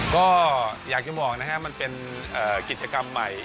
ก็อยากจะบอกนะครับมันเป็นกิจกรรมใหม่